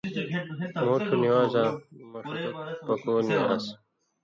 مُوٹُھو نِوان٘زاں مہ ݜتُک پکوۡ نی آن٘س